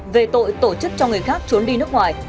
về tội tổ chức cho người khác trốn đi nước ngoài